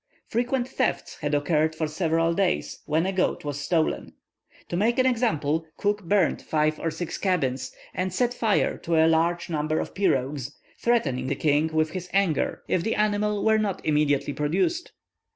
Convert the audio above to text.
Frequent thefts had occurred for several days, when a goat was stolen. To make an example, Cook burnt five or six cabins, and set fire to a large number of pirogues, threatening the king with his anger if the animal were not immediately produced.